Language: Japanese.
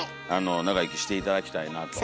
長生きして頂きたいなと。